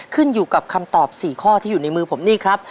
ขึ้นอยู่กับคำตอบ๔ข้อที่อยู่ในมือผมนี่ครับ